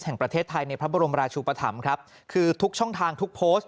แห่งประเทศไทยในพระบรมราชุปธรรมครับคือทุกช่องทางทุกโพสต์